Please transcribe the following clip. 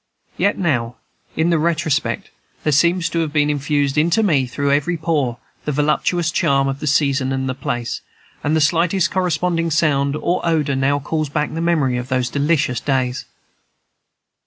Yet now, in the retrospect, there seems to have been infused into me through every pore the voluptuous charm of the season and the place; and the slightest corresponding sound or odor now calls back the memory of those delicious days.